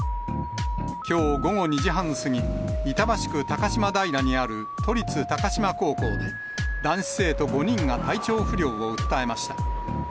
きょう午後２時半過ぎ、板橋区高島平にある都立高島高校で、男子生徒５人が体調不良を訴えました。